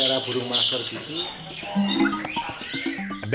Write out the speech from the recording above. saya berpikir saya akan menjadi pembawa burung mas kerja